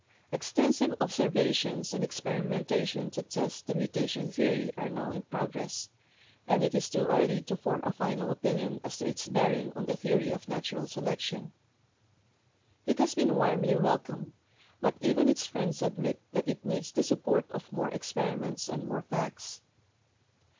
Extensive observations and experimentation to test the mutation theory are now in progress, and it is too early to form a final opinion as to its bearing on the theory of natural selection. It has been warmly welcomed, but even its friends admit that it needs the support of more experi ments and more facts.